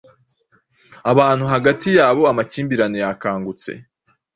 abantu hagati yabo amakimbirane yakangutse